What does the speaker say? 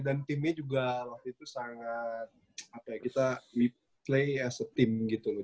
dan timnya juga waktu itu sangat apa ya kita we play as a team gitu loh